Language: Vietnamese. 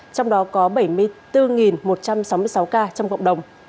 trong đó có bảy mươi bốn một trăm sáu mươi sáu ca trong cộng đồng